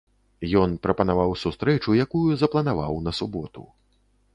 Ён прапанаваў сустрэчу, якую запланаваў на суботу.